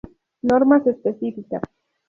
Normas específicas.